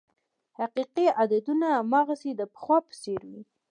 حقیقي عددونه هماغسې د پخوا په څېر وې.